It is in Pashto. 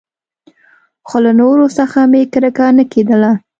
خو له نورو څخه مې کرکه نه کېدله.